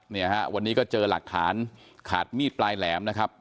เนี่ยฮะวันนี้ก็เจอหลักฐานขาดมีดปลายแหลมนะครับ